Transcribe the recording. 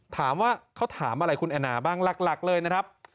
ถามว่าเขาถามอะไรคุณแอนนาบ้างหลักเลยนะครับ